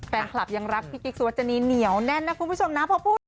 แฟนคลับยังรักพี่กิ๊กสุวัชนีเหนียวแน่นนะคุณผู้ชมนะพอพูด